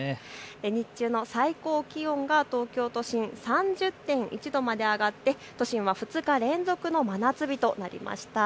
日中の最高気温が東京都心、３０．１度まで上がって２日連続の真夏日となりました。